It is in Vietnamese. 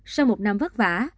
sau một năm vất vả